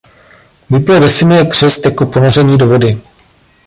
Bible definuje křest jako ponoření do vody.